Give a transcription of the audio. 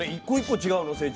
１個１個違うの？